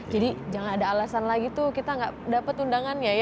jadi jangan ada alasan lagi tuh kita nggak dapat undangannya ya